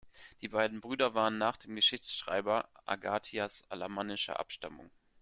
Die beiden Brüder waren nach dem Geschichtsschreiber Agathias alamannischer Abstammung.